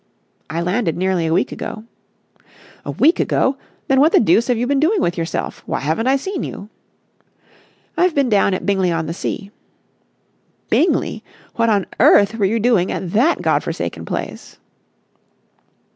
"I landed nearly a week ago." "A week ago! Then what the deuce have you been doing with yourself? Why haven't I seen you?" "I've been down at Bingley on the Sea." "Bingley! What on earth were you doing at that God forsaken place?"